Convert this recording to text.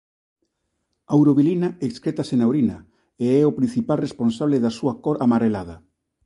A urobilina excrétase na urina e é o principal responsable da súa cor amarelada.